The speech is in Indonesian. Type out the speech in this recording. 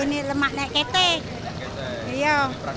naik ketek ini praktis ya